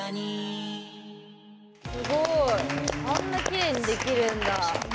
すごいあんなきれいにできるんだ。